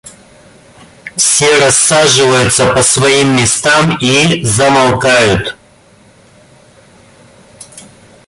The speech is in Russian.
Все рассаживаются по своим местам и замолкают.